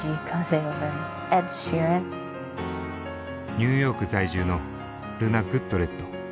ニューヨーク在住のルナ・グッドレット。